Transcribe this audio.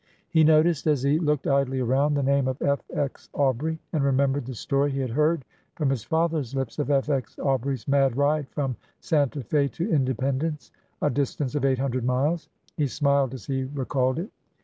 He noticed, as he looked idly around, the name of F. X. Aubrey, and remembered the story he had heard from his father's lips of F. X. Aubrey'e mad ride from Santa Fe to Independence, a distance of eight hundred miles. He smiled as he recalled it.